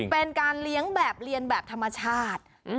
เป็นการเลี้ยงแบบเรียนแบบธรรมชาติ